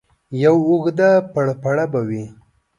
یوه اوږده پړپړه به وي.